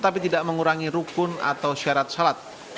atau syarat sholat